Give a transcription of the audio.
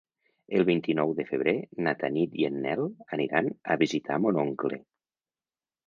El vint-i-nou de febrer na Tanit i en Nel aniran a visitar mon oncle.